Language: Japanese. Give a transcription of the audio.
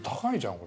これ。